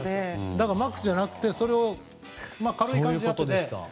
だからマックスじゃなくてそれを軽い感じでやってると。